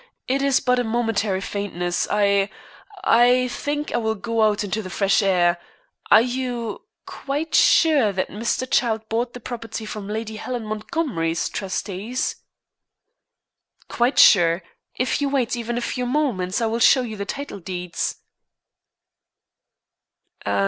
"It is but a momentary faintness. I I think I will go out into the fresh air. Are you quite sure that Mr. Childe bought the property from Lady Helen Montgomery's trustees?" "Quite sure. If you wait even a few moments I will show you the title deeds."